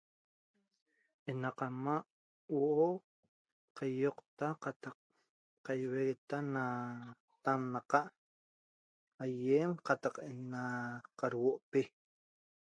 Ena qanma' huo'o qaioqta qataq qaiueta na tamnaqa' aiem qataq ena qarhuo'pi.